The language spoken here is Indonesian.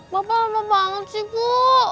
mama lama banget sih bu